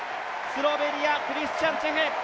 スロベニアクリスチャン・チェフ。